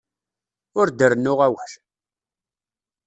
Ur d-rennu awal!